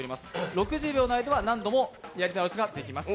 ６０秒内では何度もやり直しができます。